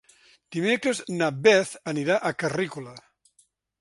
Dimecres na Beth anirà a Carrícola.